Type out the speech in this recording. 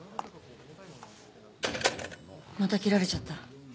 また切られちゃった？